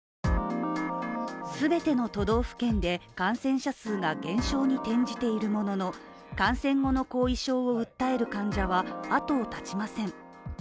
全ての都道府県で感染者数が減少に転じているものの感染後の後遺症を訴える患者は後を絶ちません。